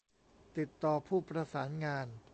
ติดต่อผู้ประสานงาน